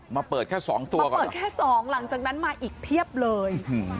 มาเปิดแค่๒ตัวก่อนหลังจากนั้นมาอีกเพียบเลย